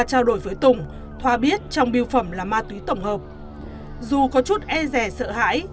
trao đổi với tùng thoa biết trong biêu phẩm là ma túy tổng hợp dù có chút e rẻ sợ hãi